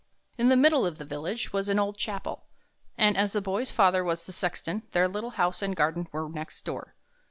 In the middle of the village was an old chapel, and as the boy's father was the sexton, their little house and garden were next door.